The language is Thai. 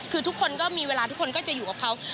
คือทุกคนก็มีเวลาทุกคนก็จะอยู่กับเขา